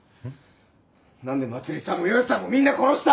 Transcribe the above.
なんでまつりさんもよよさんもみんな殺した！？